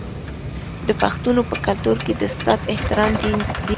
د پښتنو په کلتور کې د استاد احترام ډیر دی.